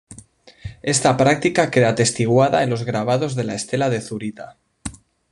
Esta práctica queda atestiguada en los grabados de la Estela de Zurita.